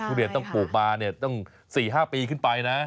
ทุเรียนต้องปลูกมาต้อง๔๕ปีขึ้นไปนะ